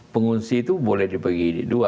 pengungsi itu boleh dibagi dua